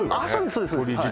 そうです